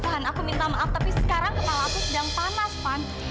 tuhan aku minta maaf tapi sekarang kepala aku sedang panas van